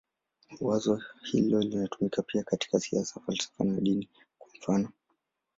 Wazo hilo linatumika pia katika siasa, falsafa na dini, kwa mfanof.